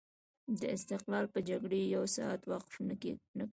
د استقلال په جګړې یو ساعت وقف نه کړ.